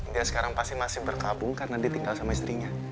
dia sekarang pasti masih berkabung karena ditinggal sama istrinya